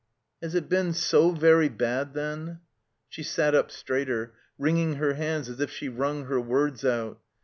"Has it been so very bad then?" She sat up straighter, wringing her hands as if she wrung her words out.